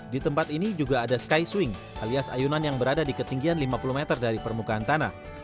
di tempat ini juga ada sky swing alias ayunan yang berada di ketinggian lima puluh meter dari permukaan tanah